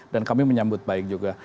dan kami menyambut baik juga